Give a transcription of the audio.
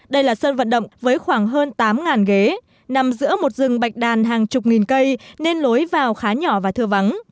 đây là sân vận động với khoảng hơn tám ghế nằm giữa một rừng bạch đàn hàng chục nghìn cây nên lối vào khá nhỏ và thưa vắng